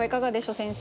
先生。